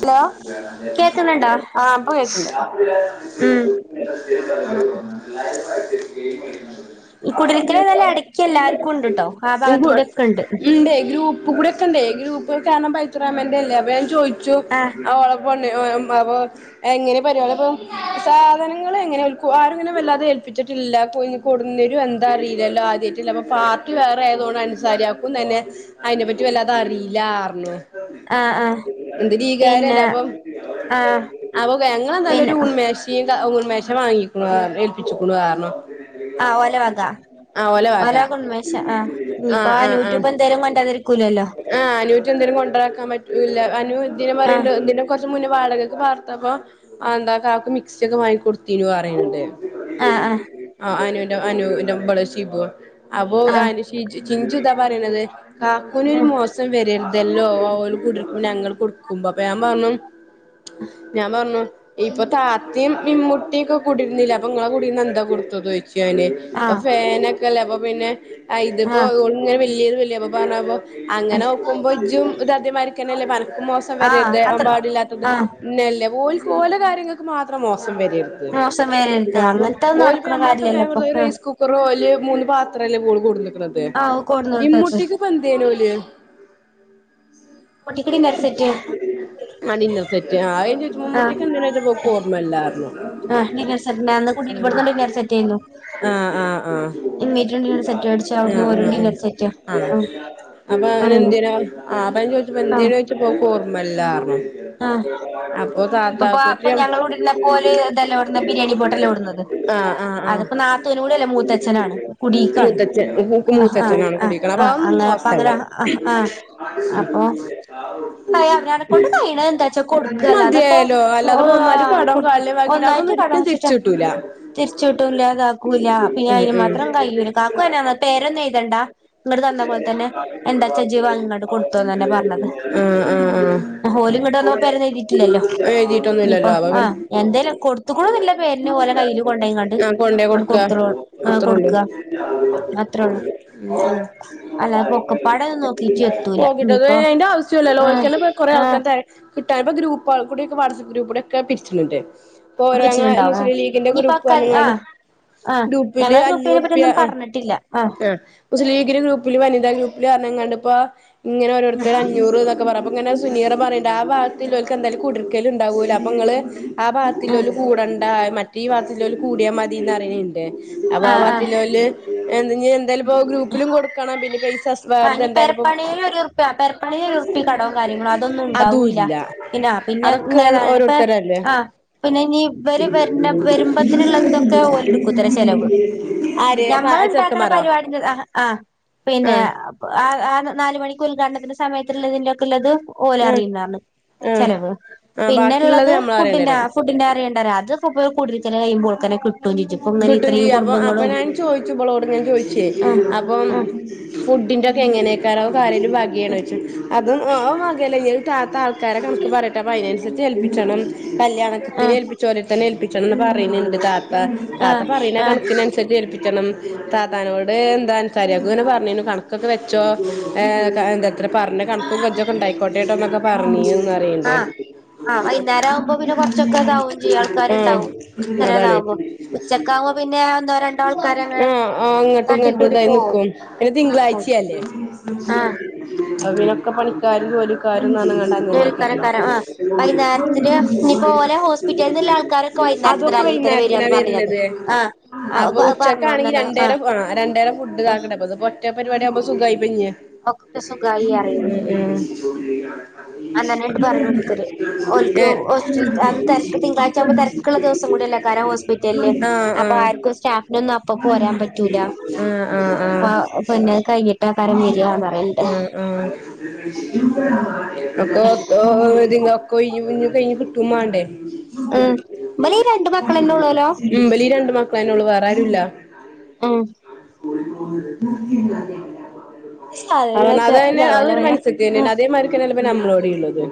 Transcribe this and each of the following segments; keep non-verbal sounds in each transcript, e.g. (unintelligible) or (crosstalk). Hello കേക്കുന്നുണ്ടോ ആ ഇപ്പ കേക്ക്‌ണ്ട് (inaudible) ഉം കുടിരിക്കല് ഏതായാലും എടക്ക് എല്ലാർക്കും ഉണ്ട് ട്ടോ ആ ഭാഗത്ത് (unintelligible) കൂടെ ഒക്കെ ഉണ്ട് ഇണ്ടേ ഗ്രൂപ്പ് ഗ്രൂപ്പുകൂടെക്ക്‌ണ്ടെ ഗ്രൂപ്പ് കെർണം പൈച്ചുറാമന്റെ ലവൻ ചോദിച്ചു ആഹ് അവള പെണ്ണി മ് അപ്പോ എങ്ങനെ പരിപാലപ്പോം സാധനങ്ങള് എങ്ങനെ ഒരുക്കുവോ ആരുങ്ങനെ വല്ലാതെ ഏൽപ്പിച്ചിട്ടില്ല പോയി കൊടുന്നെരുവോ എന്താറിയിലല്ലോ ആദ്യാട്ടില്ലെ അപ്പൊ പാർട്ടി വേറെ ആയതുകൊണ്ട് അൻസാരി യാക്കും തന്നെ അയിനെപ്പറ്റി വല്ലാതെ അറിയില്ലാർഞ്ഞു ആ ആ എന്ത്‌ലീഗാരല്ലെ ആഹ് അപ്പോം ഞങ്ങളെന്താലൊരു പിന്നെ ഉൻമേഷ തീന്ത ഉൺമേശ വാങ്ങിക്ക്‌ണു റഞ്ഞു ഏൽപ്പിച്ച്ക്കുണു അറഞ്ഞു ആഹ് ഓല വക ഒലെ വക ഉൺമേശ ആഹ് ഇനിപ്പോ അനുറ്റും എന്തേലും കൊണ്ടാതിരിക്കൂലല്ലോ ആ അനുറ്റ് എന്തെലും കൊണ്ടരാക്കാൻ പറ്റൂല അനു ഇതിനും പറയണ്ട് ആഹ് ഇതിനെകൊറച്ച് മുന്നേ വാടക ക്ക്. പാർത്തപ്പോ ആ ന്താ കാക്കു മിക്സി ഒക്കെ വാങ്ങിക്കൊടുതീനു പറയണ്ട് ആ ആഹ് ആ അനു ന്റെ ഇബള് ഷിബു അപ്പൊ ആഹ് അനി ചിഞ്ചു താ പറയണത് കാക്കുവിനൊരു ഉം മോസം വരരുതല്ലോ ഒര് കുടിര് ഞങ്ങൾ കൊടുക്കുമ്പം അപ്പ ഞാ പറഞ്ഞു ഞാൻ പറഞ്ഞു ഇയ്യ് ഇപ്പ താത്തെയും ഇമ്മുട്ടിം ക്കെ കുടിരുന്നില്ലെ അപ്പം നിങ്ങള കുടീനെന്താ കൊടുത്തത് ചോദിച്ചയാ ഞാന് അ ആഹ് ഫാനെക്കല്ലെ അപ്പൊ പിന്നെ അ ഇതിപ്പോ ആഹ് ഒരിങ്ങനെ വല്യത് വല്യ ത് അപ്പൊ പറഞ്ഞപ്പോ അങ്ങനെ നോക്കുമ്പോ ഇജ്ജും ഇതതേമാരിക്കന്നല്ലെ അനക്കും മോസം ആഹ് വരരുതെ അ അത്ര പാടില്ലാത്തത് ആഹ് പിന്നല്ലെ ഓല്ക്ക്‌ ഓല കാര്യങ്ങക്ക് മാത്രം മോസം വരരുത് മോശം വരരുത് ആ അപ്പൊ അങ്ങനത്തെത് ഓല്പ്പം നടക്കണ ഞമ്മളൊക്കെ ഫ്യാൻ കാര്യല്ലല്ലോ ഇപ്പൊ കൊടുതാപ്പോ ഒരു ആഹ് റൈസ് കുക്കറും ഓല് മൂന്ന് പാത്രല്ലേ ഓള് കൊടുനിക്കണത് ആഹ് കോട്ന്നോടുത്തത് ഇപ്പ എന്തേനൊല് കുട്ടിക്ക് ഡിന്നർ സെറ്റ് ആ ഡിന്നർ സെറ്റ് ആ എ ജ് ഇമ്മുട്ടി ആഹ് എന്തിനാ ച്ചോയിച്ചപ്പോ ഓർമല്ലാറഞ്ഞു ആഹ് ഡിന്നർ സെറ്റ്ന അന്ന് കുടിരുന്ന ഇവട്ന്നും ഡിന്നർ സെറ്റെരുന്നു. ആഹ് ആഹ് ആഹ് ഇമ്മേറ്റും ഡിന്നർ സെറ്റ് വെടിച്ച് അവിട്ന്ന് ആഹ് ഓരും ആഹ് ആഹ് ഡിന്നർ സെറ്റ് ആഹ് അപ്പൊ അങ്ങനെയന്നെ അവനെന്തിന ആ അപ്പം ഞാൻ ചോദിച്ചപ്പോ ആഹ് എന്തേനു ചോച്ചപ്പോ ഓക്ക് ഓർമ്മ ല്ലാർഞ്ഞു ആഹ് അപ്പൊ ഇപ്പപ്പ ഇപ്പൊ താത്താക്കുറ്റും ഞങ്ങൾ ഇവിടെ ഇരുന്നപ്പോ ഓല് ഇതല്ലേ ഇവിടുന്ന് ബിരിയാണി പോട്ടല്ലേ ഇവിടുന്നത് ആ അ ആ അതിപ്പോ നാത്തൂനും കൂടിയല്ല മൂത്തച്ഛനാണ് കുടീക്കാണ് മൂത്തച്ഛൻ ഓക്ക് ആഹ് ആഹ് മൂത്തച്ഛനാണ് കുടി ആഹ് ക്കണ ആഹ് അതൊന്നും അങ്ങനെ അപ്പ മോസല്ല അങ്ങനെ ആഹ് ആഹ് അപ്പൊ അയ് അവനവനെ കൊണ്ട് കഴിയണത് എന്താച്ചാ കൊടുക്ക അല്ലാതെപ്പോ മതിയായല്ലോ അല്ലാതെ ഇപ്പോ ഒന്നായിട്ട് ആരും കടം കള്ളി വാകീട്ട് അതൊന്നും ഒരിക്കലും തി രിചിട്ടൂല തിരിച്ച്കിട്ടൂല്ലാ ഇതാക്കൂല അപ്പ പിന്നെ അയിന് ഉം മാത്രം കയൂല കാക്കൂഅതന്ന പറഞ്ഞെ പേരൊന്നും എയ്തണ്ടാ ഇങ്ങട്ട് തന്ന പോല തന്നെ ആഹ് എന്താ ച്ച ഇജ്ജ് വ അങ്ങോട്ട് കൊടുത്തൊന്ന്ന്നെ പറഞ്ഞത് ആഹ് ആ ആഹ് ഹോലും ഇങ്ങട്ട് തന്നപ്പ പേരൊന്നും എഴുതിട്ടില്ലല്ലോ ഇനിപ്പൊ എഴുതിട്ടൊന്നുല്ലല്ലോ അപ്പൊ ആ എന്തേലും പിന്നെ കൊടുത്തുക്കുണൂന്നുല്ല പേരിന് ഓല കയ്യില്ങ്ങാണ്ട് ആ കൊണ്ടേ അങ്ങ് കൊടുക്ക കൊടുത്തോളു ആ അത്രള്ളൂ കൊടുക്കുക അത്രോള്ളൂ അല്ലാതെ ഇപ്പ ഒക്കപ്പാട ഒന്നു നോ ക്കിട്ട് എത്തൂല പിന്നെ അയിന്റെ ആവശ്യൊലല്ലോ ആഹ് ഓൽക്ക് തന്നെ കുറെ ആഹ് ആൾക്കാര് തെക കിട്ടാനിപ്പോ ഗ്രൂപ്പ്കൾക്കൂടി വാട്സ്ആപ്പ് ഗ്രൂപ്പ്ടെ ഒക്കെ പിരിച്ച്ന്ന്ണ്ട് ഇപ്പോ ഓരോങ്ങള വെച്ചിട്ടുണ്ടാവും ആഹ് മുസ്ലിം ലീഗിന്റെ ഇനിയിപ്പോ ഗ്രൂപ്പ് പറഞ്ഞ്ങ്ങാണ്ട് ആഹ് ആഹ് ഗ്രൂപ്പില് ഞങ്ങളെ ഗ്രൂപ്പിനെ പറ്റി അഞ്ഞൂറുപ്യ ഒന്നും ആണ് പറഞ്ഞിട്ടില്ല ആഹ് ആ മുസ്ലിംലീഗിന്റെ ഗ്രൂപ്പില് വനിതാ ഗ്രൂപ്പില് പറഞ്ഞങ്ങാണ്ട് ഇപ്പോ ഇങ്ങനെഓരോരുത്തര് അഞ്ഞൂറ്ന്നോക്ക പറഞ്ഞപ്പ അപ്പങ്ങനെ സുനീറ പറിണ്ട് ആ ഭാഗത്ത് ള്ളോർക്ക് എന്തായാലും കുടിർക്കല് ഉണ്ടാവൂലൊ അപ്പൊ ഇ ങ്ങള് ആ ആഹ് ഭാഗത്തില്ലോല്കൂടണ്ട മറ്റേ ഈ ഭാഗത്തില്ലോ ല് കൂടിയാ മതിന്ന്റി ആഹ് അപ്പൊആവാ ആഹ് ഗത്തിലോല്ഇന്നി എന്തായാലും ഗ്രൂപ്പിലും കൊടുക്കണം പിന്നെ പൈസ ആ വേറത് ഇഞ് എന്തായാലും ഇപ്പോ പെരപ്പണിലൊ ഒരു പെര പ്പണി എറുപ്പിക്കടവും കാര്യങ്ങളും അതൊന്നും അതും ഉണ്ടാവൂല്ല ഇല്ല പിന്നെ അതൊക്കെ പിന്നെതാണ് ഇ ഇപ്പ ഓരോരുത്തരല്ലേ ആ പിന്നെ ഇഞ് ഇവര് വര വരുമ്പത്തിനുള്ളതൊക്കെ ഓലെടുക്കുത്ര ചെലവ് ആര് ഞമ്മൾ ഇണ്ട ക്കണ ചെറുക്കന്മാരോ പരിപാടിന്റെത് ആഹ് അ പിന്നെ ആഹ് ആ നാല് മണിക്ക് ഉദ്ഘാടനത്തിന്റെ സമയത്ത ഇതിന്റെയൊക്കെ ഉള്ളത് ഓല ആഹ് അറീന്നാപറഞ്ഞു ആഹ് ചെലവ് ആഹ് ബാക്കിയുള്ളത് പിന്നെള്ളത് നമ്മള് അറിയേണ്ടി ഫുഡിന്റെആ വരും ഫുഡിന്റെ അറിയണ്ടരാ അത് ഇപ്പൊ പിന്നെ കുടിർക്കല് കയുമ്പോൾ ഓൾക്കന്നെ കിട്ടും ചേച്ചി ഇപ്പൊ ഇങ്ങനെ കിട്ടും ഇത്രയും ചെയ്യു. അപ്പൊ അപ്പൊ കുടുംബങ്ങളും ഞാൻ ചോയിച്ചു ഇബ്ളോട്ങ്ങനെ ചോയിച്ചേ ആഹ് അപ്പം. ആഹ് ഫുഡിന്റെ ഒക്കെ എങ്ങനെക്കാരം അതും ആരേലും വഗേണോ യ്ച് അതും അ ആവകേല ല്ല അഹ് താത്ത. ക്കാരെ കൺ ക്ക് പറ്യട്ടെ അപ്പം അയ്ന സര്ച്ച് ഏൽപ്പിച്ചണം. കല്യാണത്തിന് ആഹ് ഏൽപ്പിചോലെട്ത്തെന്നെ ഏൽപ്പിച്ച ണംന്ന് പറിന് ണ്ട് ത് ആഹ് താത്ത പറിണ ആഹ് ആഹ് കണക്കിന സെര്ക്ക് ഏൽപ്പിച്ച ണം. താത്താനോട് എന്താ അനുസാരിയാക്കു ഇങ്ങനെ പറഞീനു. കണക്കൊക്കെ വെച്ചോ എന്തക് ഇത്ര പറഞ്ഞ കൺക്കും കജും ഒക്കെ ഇണ്ടായിക്കോട്ടെ ഒന്നൊക്കെ പറഞ്ഞീനുന്നറിയിണ്ട്. ആ വൈന്നേരം ആവുമ്പോ പിന്നെ കൊറ്ച്ചൊക്കെ ഇതാവും ചെയ്യും. ആഹ് ആൾക്കാരുണ്ടാവും ഇ ങ്ങനെ അതാണ് താവുമ്പോ ഉച്ചക്കാവുമ്പോ പിന്നെ ഒന്നോ രണ്ടോ ആൾക്കാരങ്ങനെ ആഹ് ആഹ് അങ്ങോട്ടും തട്ടി ഇങ്ങോട്ടും കൂട്ടി ഇതായി പോകും. നിക്കും പിന്നെ തിങ്കളാഴ്ച്യേല്ലേ ആഹ് അ പ്പ തിനൊ ക്കെ പണിക്കാരും ജോലിക്കാരുംന്നറിഞ് കാണ്ട്. ജോലിക്കാരെക്കാരം ആഹ് വൈന്നേരത്തിന് ഇനിപ്പോ ഓലെ ഹോസ്പിറ്റലിന്ന്ള്ള ആൾക്കാരൊക്കെ (unintelligible) വൈന്നേരത്തിന് അതൊക്കെ അല്ലെങ്കി തന്നെ വൈന്നാരത്തിനാ. വരാന്ന് പറഞ്ഞിനത് വെര്നതെ ആഹ് അപ്പൊ അഹ് പറഞ്ഞു ഉച്ചക്കാണെങ്കി അന്നന്നെ ആഹ് രണ്ടേരം രണ്ടേരം ഫുഡ് താക്കണ്ടേ (unintelligible) ഒറ്റ പരിപാടിആവുമ്പോ സുഖായിപ്പി ഞ്. ഒക്കൊ സുഗായി അറിണ് ഇണ്ട്. ഉ പറയണ (unintelligible) ഓരോരുത്തര് ഓൽക്ക് ഏഹ് ഹോസ്പിറ്റൽ അന്ന് തിരക്ക് തിങ്കളാഴ്ച (unintelligible) ആകുമ്പോ തിരക്കുള്ള ദിവസം ആഹ് കൂടിയല്ലേക്കാരം ഹോസ്പിറ്റലില് അപ്പൊ ആഹ് ആർക്കും സ്റ്റാഫിനൊന്നും അപ്പൊ ആഹ് പോരാൻ പറ്റൂല ആഹ് അപ്പ പിന്നെ അത് ആഹ് കഴിഞ്ഞിട്ടേക്കാരം വരികാന്ന് പറയണ്ട് ആഹ് ആഹ് ഓ (unintelligible) ക്കൊഴിയുമ്പ (unintelligible) ഇഞ്ഞ് കഴിഞ് കിട്ടും മാണ്ടേ. ഉം ഇബല് ഈ രണ്ട് മക്കളന്നെ ഉള്ളൂലോ ഇംമ്പലീ രണ്ട് മക്കളെനൊള്ളു വേറെ ആരുല്ല അഹ് (unintelligible) (unintelligible) അവന സാധനങ്ങളൊക്കെ അതനെ ഇതാവൂല അതൊരു പിന്നെ മൻസെത്ത്യന്നെന് ആഹ് അതേമാതിരിക്കെ ന ല്ലെപ്പൊ നമ്മളോടി ഇള്ളത്.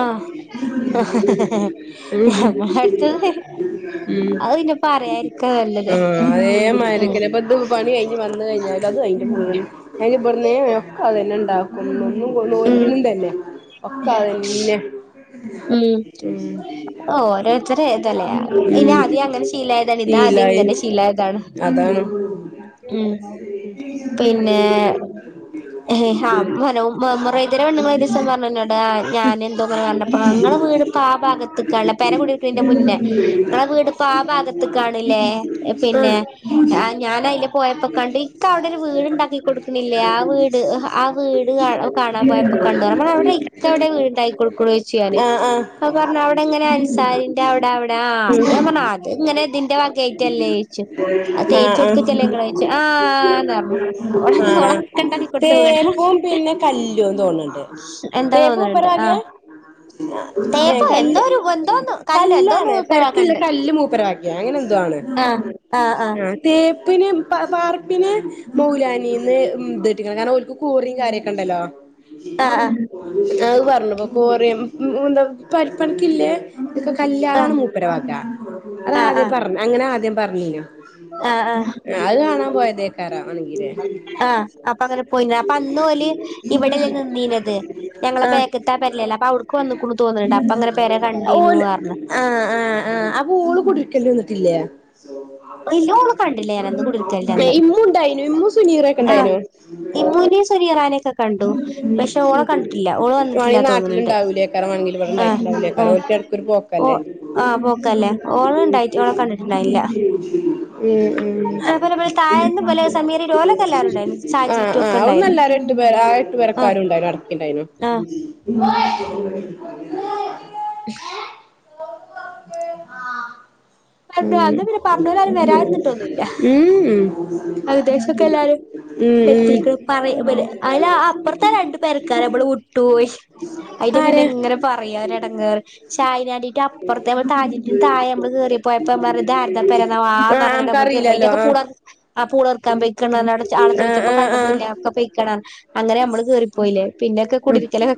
ആഹ് (unintelligible) അടുത്തത് വരും. ഉം നല്ലത് ആഹ് അതേ ഉം മരിക്കന്നെ ബെഡും പണി കഴിഞ് വന്ന് കഴിഞ്ഞാ അതും അതിന്റെ ഫുള്ള് അയിന് ഇബട്ന്നേ ഒക്ക അതന്നെ ഇണ്ടാക്കും ഒന്നൊന്നും ഉം നോൽമ്പിനും തന്നെ ഒക്കെതന്നെ. ഉം ഓരോ അത്ര ഇതല്ലേ അയിന് ആദ്യേ ഉം അങ്ങനെ ശീലായതാണ്. ഇതാ ആദ്യം ശീലായി ഇങ്ങനെ ശീലായതാണ്. അതാണ് ഉം പിന്നെ അംമനവും. മുഹമ്മറേയ്തരെ പെണ്ണ് ങ്ങള്ഒരീസം പറഞ്ഞു ഇന്നോട് ആഹ് ഞാൻ എന്തോഇങ്ങനെ പറഞ്ഞപ്പൊ ഇങ്ങളെ വീട്പ്പ ആ ഭാഗത്ത് കാള്ള പെര കുടി ർ ക്കിനിന്റെ മുന്നെ ഇങ്ങളെ വീട്പ്പാ ഭാഗത്ത് കാണില്ലേ പിന്നെ ആഹ് ഞാന് അയിലെ പോയപ്പോ കണ്ടു. ഇക്ക അവിടെ ഒരു വീട്ണ്ടാക്കി കൊടുക്ക് ണ് ല്ലേ ആ വീട് (unintelligible) ആ വീട് കാ കാണാൻ പോയപ്പോ കണ്ടു പറ അവിടെ ഇക്കവിടെ വീട് ഇണ്ടായി കൊടുക്ക്ണ് ചോയിച്ചു ഞാന്. ആഹ് ആഹ് ആഹ് അപ പറ്ഞ്ഞു. അവിടെ ഇങ്ങനെ അൻസാരി ട അവിട വിട ആഹ് അത് ഉം ഞാൻ പറഞ്ഞു അത് ഇങ്ങനെ ഇതിന്റെ വകാ യിട്ടല്ലേയ്ച്ച് ആഹ് ആഹ് ആന്ന് പറഞ്ഞു ഓളത് ആഹ് ഓളൊക്കെ ഉണ്ടാക്കി കൊടുത്ത വീടാ തേപ്പും പിന്നെ കല്ലും തോണ് ണ്ട് എന്താ തേപ്പും മൂപ്പരെ തോന്നുന്നുണ്ട് ആ വകെ ഏഹ് തേപ്പോ എന്തോ കല്ല് ഒരു എന്തോന്ന് കല്ലോ എന്തോന്ന് കല്ലാണ് പെരക്കില്ല മൂപ്പരാക്കണ്ട് കല്ല് മൂപ്പരവഗ്യെ അങ്ങനെ എന്തോ ആണ്. ആ ആ ആ തേപ്പിന്, പാർപ്പിന് മൗലാനീന്ന് ഇത്ട്ടിക്ക്ണ് കാര്ണം കൂറിം കാര്യൊക്കെണ്ടല്ലോ. ആ ആ അത് പറഞ്ഞു ഇപ്പൊ. കൊറിയ (unintelligible) എന്താ പെര്പ്പണിക്കില്ലേ ഇതൊക് കല്ല്. ആഹ് വെര വക. ആദ്യം പറഞ്ഞ് അങ്ങനെ ആദ്യം പറ്ഞ്ഞീന്യോ. ആ ആ ആ അത് കാണാൻ പോയതേക്കാരം ആണെങ്കിലേ. പോയിന്നൊ. അപ്പൊ അന്നോല് ഇവിടെല്ലെ നിന്നീനെത്. ഞങ്ങളെ ആ ബേക്ക്ത്ത പെരെലല്ലേ. അപ്പൊ അവിടുക്ക് വന്ന്ക്കുണു തോന്ന്ണ്ട്. അപ്പ അങ്ങനെ പെരെ കണ്ടീനു അറന്ന്. ആഹ് ആഹ് ആ് അപ്പൊ ഓള് കുടികൽന്ന് വന്നിട്ടില്ലേ ഇല്ല ഓള് കണ്ടില്ല ഞാനന്ന് കുടിരിക്കലിന്റെ അന്ന് ഇമ്മു ഉണ്ടായിനു ഇമ്മു സുനീറൊക്കെ ആഹ് ഉണ്ടായിനു ഇമ്മൂനേം സുനിയ റാനൊക്കെ കണ്ടു പക്ഷെ ഓളെ കണ്ടിട്ടില്ല ഓള് വന്നിട്ടില്ല മണി തോന്നുന്നുണ്ട് നാട്ടിലുണ്ടാവൂലേ (unintelligible) ആഹ് ആഹ് ഒരിക്ക ഇടക്കൊര് ഓ പോക്കല്ലേ ആഹ് ശ പോക്കല്ലേ ശ ഓള് ഉണ്ടായിട്ട് ഓളെ ശരി (inaudible) കണ്ടിട്ടുണ്ടായില്ല ഉം അതുപോലെ പോലെ താഴേന്ന് ഉം പോലെ സമീറേം ഓലൊക്കെ എല്ലാരും ഉണ്ടായിരുന്നു ആഹ് സാജീറ്റും ഒക്കെ ആഹ് ഉണ്ടായിരുന്നു അവിടന്നല്ലാരും ര പേ ആയിരട്ടു ആഹ് പേരക്കരു ഉണ്ടായി അടക്കിണ്ടായിന്നു ആഹ് ഉ പറഞ്ഞ അന്ന് പിന്നെ പറഞ്ഞ പോല അവന് വരരുന്നിട്ടൊന്നും ല്ല ഉം ഉം വാർത്തേശൊക്കെ എല്ലാരും ഉം എത്തിക്ക്ണ് ഉം പറ അയിലെ അപ്പുറത്ത രണ്ടു പേർക്കാര നമ്മള് വിട്ടു പോയി അയിന്റെ പിന്നെ ആരെ ഇങ്ങനെ പറയാ ഒരടങ്ങാറ് ഷാഹിനന്റി അപ്പുറത്തെ നമ്മ താജിന്റെ താഴെ നമ്മള് കേയറിപ്പോയപ്പോഞ്ഞം പറഞ്താ രതാ പെരന്നാവോ ആഹ് ഞമ്മള് കേറി പോയ നമുക്കറിയില്ലല്ലോ അയ്‌ന്റെ ആഹ് പൂള ആ പൂളെറുക്കാൻ പെയക്ക അവിടെ ആളെ ആഹ് ചോദിച്ചപ്പോ ആഹ് ആഹ് കണ്ടതല്ല ഒക്കെ പെയക്കണന്ന റഞ്ഞു അങ്ങനെ നമ്മള് കേറിപ്പോയില്ലേ പിന്നെക്കെ ഉം കുടരിക്കലൊക്കെ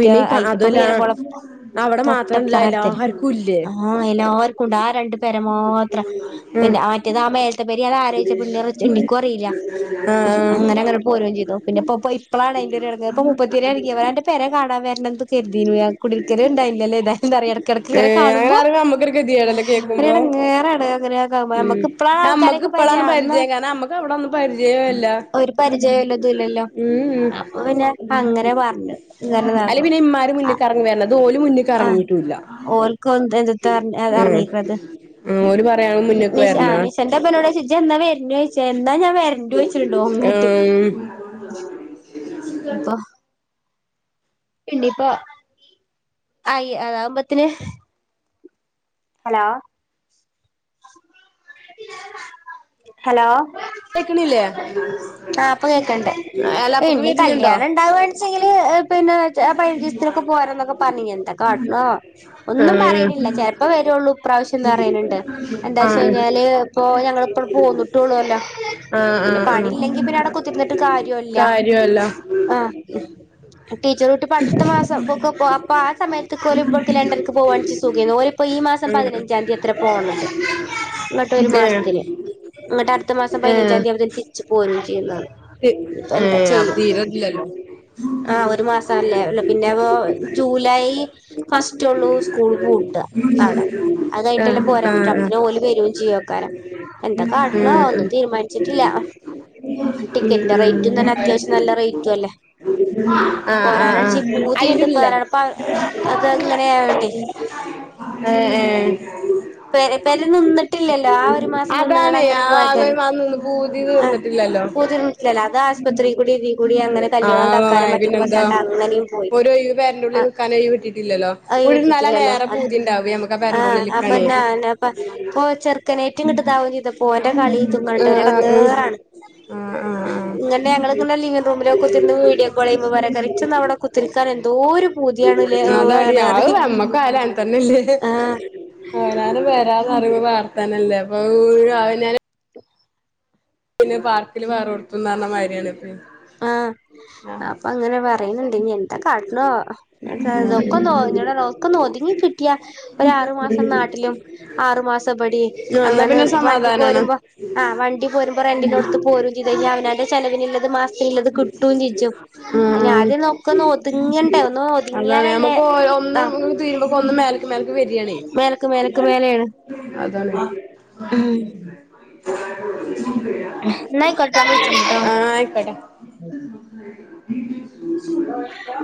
പിന്നെ അതുവല്ല മീനമോളം അവിടെ മാത്രംല്ല എല്ലാർക്കും ഇല്ലേ ആഹ് എല്ലർക്കുണ്ട് ആ രണ്ടു പേര മാത്രം പിന്നെ മറ്റേതാ മേലത്തെ പേരി അത് ആരാ പിണ്ർ എനിക്കും അറിയില്ല ഉം ആഹ് അങ്ങനങ്ങനെ പോരും ചെയ്തു പിന്നെപ്പപ്പോ ഇപ്പളാണ് അയ്ന്റെടങ്ങേറ് ഇപ്പ മുപ്പത്തിരെ പരെ കാണാവരണ ന്ന് കരുതിന്നു കുടിക്കൽ ഉണ്ടായില്ല ല്ലൊ അതെ എന്താ പറ ഇടയ്ക്ക ഇടക്ക ഇങ്ങനെ ഏഹ് അങ്ങനെ കാണുമ്പോ പറയുമ്പോ നമ്മക്കൊരു ഗതികേടല്ലേ ഒരു കേക്കുമ്പോ എടങ്ങേറണ് അങ്ങനെയ കാകുമ്പ നമ്മക്ക് ഇപ്പളാണ് നമ്മുക്ക് ആൾക്കാരെയൊക്കെ ഇപ്പളാണ് പരിചയം പരിജ അന്ന് കാരണ നമ്മക്ക് അവിടെന്നും പരിചയല്ല ഒരു പരിചയല്ല ഇതും ഇല്ലല്ലോ ഉം അപ്പൊ പിന്നെ അങ്ങനെ പറഞ്ഞു അല്ലെ ഇങ്ങനെതാക്കും പിന്നെ ഇമാര് മുന്നിൽക്ക് ഇറങ്ങി വരണം ഇതോല മുന്നിക്ക് ഇറങ്ങി ആഹ് ഓൽക്ക് എന്തത്ത അറിങ്ങിക്ക്ണത് ഉം ഓല് പറ നി ആ നിശന്റെ ഇമ്മന്നൊ ട് ജന്നാ വരനു ചോദിച്ച എന്നാ ഞാൻ വരണ്ട ചോദിച്ചു ആഹ് ഉം ഇപ്പ ഇണ്ട് ഇപ്പൊ ആയി അതകുമ്പോത്തിന് ഹലോ ഹലോ കേക്കണില്ലേ ആപ്പ കേക്കണ്ട് അല്ല അപ്പക്ക് ഇനി വരുന്നുണ്ടോ കല്യാണം ഇണ്ടാവ ച്ചെങ്കില് പിന്നെ പൈചീസ്ത്തിലനൊക്കെ പോരന്നൊക്കെ പറഞ്ഞീന്ന് എന്ത കാട്ടണോ ആവോ ആ ഒന്നും പറീണില്ല ച ഇപ്പ വരുള്ളൂ പ്രാവശ്യം ന്ന് പറണിണ്ട് എന്താ ആ വച്ച കഴിഞ്ഞാല് ഇപ്പൊ ഞങ്ങള് ഇപ്പങ്ങട്ട് പോന്നിട്ടള്ളൂ ല്ലോ ആ ആ പിന്നെ ആ പണി ഇല്ലെങ്കി പിന്നെ അവിടെ കുത്തിർന്നിട്ട് കാര്യല്ല ആഹ് ഉ ടീച്ചർട്ടപ്പ് അടുത്ത മാസംഅപ്പൊക്കെ ആ സമയത്തക്കെ പോല ലണ്ടൻക്ക് പോവാണച്ചി സുഖയ്നു ഓല് ഇപ്പൊ ഈ മാസം ഉം പതിനഞ്ചാംതി ആത്ര പോണത് ഇന്നട്ട് ഒരു ഏ മാസത്തിന് ഇന്നിട്ട് അടുത്ത മാസം പതിനഞ്ചാം തീയതിമ്പ തിരിച്ച് പോരും ചെയ്യുന്ന ഏഹ് അവധി തീരതില്ലല്ലോ ആഹ് ഒരു മാസല്ലേ പിന്നെ ഓ ജൂലൈ ഫസ്റ്റ് ഉള്ളൂ സ്കൂൾ പൂട്ടാ അവിടെ അത് കഴിഞ്ഞിട്ട് ആ അല്ലെ പോരാൻ ആ പറ്റും ആ അപ്പത്തിനും ജോലി വരും ചെയ്യും അക്കാരൻ എന്താ ആ കാട്ടണോ ഒന്നും തീരുമാനിച്ചിട്ടില്ല ടിക്കറ്റിന്റെ റേറ്റ് നല്ല അത്യാവശ്യം നല്ല റേറ്റും അല്ലേ ആ ആ ആ വരാണണിച്ച് അയിന്റെ പൂതിണ്ട് ഉള്ളിലാണ് ഇപ്പരാണ് അപ്പ അത് അങ്ങനെയായോണ്ടേ ഏഹ് ഏഹ് പെരെ പെരെ നിന്നിട്ടില്ലല്ലോ ആ ഒരു മാസം നിന്ന്ങ്ങട് അതാണ് അങ്ങനെ ആ പോയ തന്നെ അന്ന് പൂതി തീർന്നിട്ടില്ലല്ലോ അത് ആശുപത്രി കൂടി ഇതി കൂടി അങ്ങനെ കല്യാണം ആഹ് തക്കാലം മറ്റേത് പിന്നെ എന്താ മറിച്ചാണ്ട് അങ്ങനെയും പോയി ഓരോ ഒഴിവ് പെരെന്റെ ഉള്ളിൽ ആഹ് നിൽക്കാൻ ഒഴിവ് കിട്ടിട്ടില്ലല്ലോ അത് ഒഴിനലാണ് കിട്ടിട്ടില്ലല്ലോ ഏറെ അത് പൂതി ഉണ്ടാവേ നമുക്ക് പെരെൻ്റെ ആഹ് ഉള്ളില് അപ്പൊ ഞാനപ്പ ഓ ചെറുക്കനേറ്റും കിട്ട്താവയും ചെയ്ത ഓന്റെ കളി ഇതും കണ്ടിട്ട് ആഹ് ഒരു ആഹ് ഇടങ്ങേറാണ് ആഹ് ആഹ് ആഹ് ഇങ്ങനെ ഞങ്ങള് ഇങ്ങനെ ലിവിംഗ് റൂമിലൊക്കെ കുത്തിരുന്ന് വീഡിയോ കോള്യ്യും ഉമ്മ പറയും തെറിച്ചൊന്ന് അവിടെ കുത്തിരിക്കാൻ എന്തോരു പുതിയാണ് ആഹ് ലേന്ന് അതാടി ഉമ്മണ്ട് അത് പറയും ആഹ് അവനാൻ്റെ പെര എന്ന് പറയുമ്പം വേറെ തന്നെയല്ലെ അപ്പം അവിനന്ന് പിന്നെ പാർക്കില് വേറെ ഒടുത്തുന്ന് പറഞ്ഞ മാരിയാണ് ഇപ്പെ ആഹ് അപ്പ അങ്ങനെ പറയുന്നുണ്ട് ഇനി എന്ത കാട്ടണോ ഇങ്ങനത്തെ നോക്ക്ന്നോ ഇങ്ങനെ നോക്ക്ന്നോ ഒതുങ്ങി കിട്ടിയ ഒരു ആറു മാസം നാട്ടിലും ആറു മാസം ഇപടയും എന്നാ അങ്ങനെ പിന്നെ വണ്ടി സമാധാനാണ് പോരുമ്പോ ആ വണ്ടി പോരുമ്പോ റെൻ്റിനോടുത്ത് പോരും ചെയ്ത് കഴിഞ്ഞാ അവനാൻ്റെ ചെലവിനുള്ളത് മാസതിലുള്ളത് കിട്ടും ചിച്ചും ഉം അതിന് ആദ്യം ഉം നോക്ക്ന്ന് ഒതുങ്ങണ്ടേ ഒന്ന് അതാണ് ഒതുങ്ങിയാലല്ലേ നമുക്ക് ഒന്ന് ആ തീരുമ്പോ ഒന്ന് മേലക്ക് മേലക്ക് വരികയാണേ മേലക്ക് മേലക്ക് മേലെയാണ് അതാണ് ഉമ്മ ഉം ആയിക്കോട്ടെ ഉം സുഖയിരിക്ക